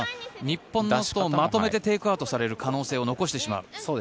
日本のストーンまとめてテイクアウトされる可能性を残してしまう。